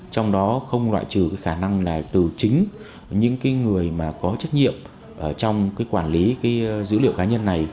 trong đó không loại trừ khả năng là từ chính những người mà có trách nhiệm trong cái quản lý dữ liệu cá nhân này